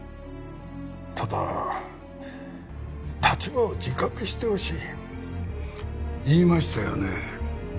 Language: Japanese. ただ立場を自覚してほしい言いましたよね